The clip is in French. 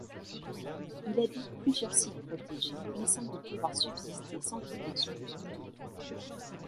Il habite plusieurs sites protégés mais semble pouvoir subsister sans protection particulière.